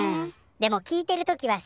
でも聞いてるときはさ